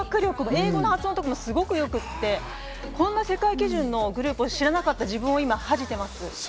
英語の発音もすごく良くて、こんな世界基準のグループを知らなかった自分を恥じています。